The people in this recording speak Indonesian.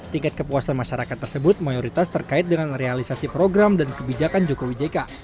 tingkat kepuasan masyarakat tersebut mayoritas terkait dengan realisasi program dan kebijakan jokowi jk